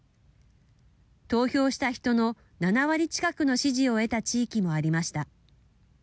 投票した人の７割近くの支持を得た地域もありました。